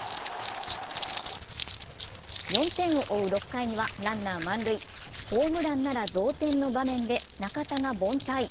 ４点を追う６回にはランナー満塁、ホームランなら同点の場面で中田が凡退。